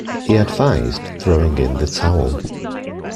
He advised throwing in the towel.